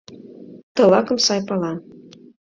Ты лакым сай пала.